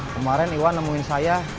kemarin iwan nemuin saya